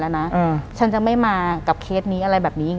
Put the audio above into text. หลังจากนั้นเราไม่ได้คุยกันนะคะเดินเข้าบ้านอืม